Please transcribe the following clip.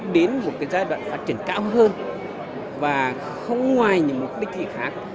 đến một giai đoạn phát triển cao hơn và không ngoài những mục đích gì khác